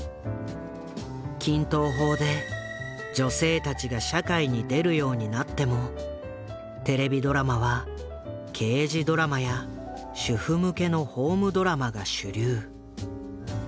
均等法で女性たちが社会に出るようになってもテレビドラマは刑事ドラマや主婦向けのホームドラマが主流。